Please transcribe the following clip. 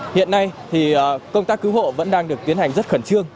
hiện nay thì công tác cứu hộ vẫn đang được tiến hành rất khẩn trương